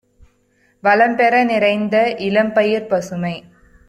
வளம்பெற நிறைந்த இளம்பயிர்ப் பசுமை